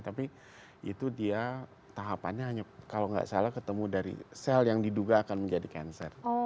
tapi itu dia tahapannya hanya kalau nggak salah ketemu dari sel yang diduga akan menjadi cancer